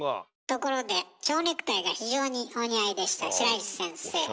ところでちょうネクタイが非常にお似合いでした白石先生